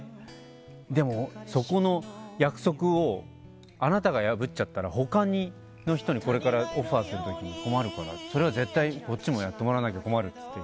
「でもそこの約束をあなたが破っちゃったら他の人にこれからオファーするときに困るからそれは絶対こっちもやってもらわなきゃ困る」って。